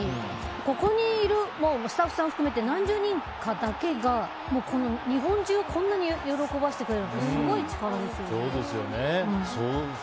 ここにいるスタッフさん含め何十人かだけが日本中こんなに喜ばしてくれるのってすごい力ですよね。